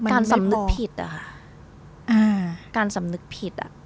สำนึกผิดอะค่ะอ่าการสำนึกผิดอ่ะ